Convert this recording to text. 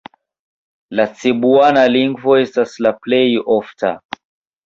La cebuana lingvo estas la plej ofta.